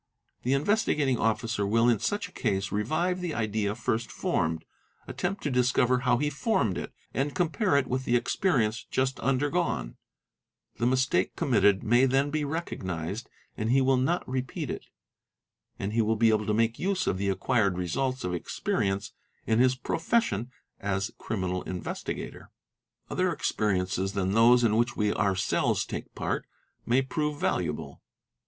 The Investigating Officer will in such a case revive the idea first formed, attempt to discover Bw he formed it, and compare it with the experience just undergone : the mistake committed may then be recognised, he will not repeat it, and will be able to make use of the acquired results of experience in his profession as criminal investigator. _ Other experiences than those in which we ourselves take part may prove valuable.